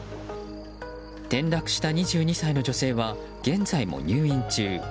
転落した２２歳の女性は現在も入院中。